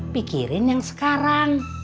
pikirin yang sekarang